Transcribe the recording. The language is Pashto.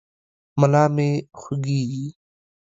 ملا مې خوږېږي.